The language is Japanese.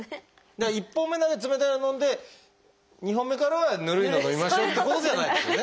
だから１本目だけ冷たいの飲んで２本目からはぬるいのを飲みましょうってことではないですね。